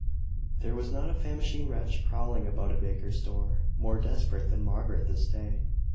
There was not a famishing wretch prowling about a baker's door, more desperate than Margaret this day.